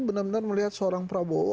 benar benar melihat seorang prabowo